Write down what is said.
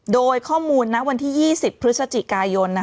โดยข้อมูลณวันที่๒๐พฤศจิกายน